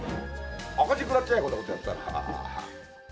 赤字食らっちゃうよ、こんなことやったら。